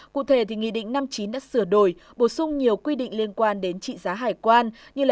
cụ thể nghị định năm mươi chín đã sửa đổi bổ sung nhiều quy định liên quan đến trị giá hải quan như là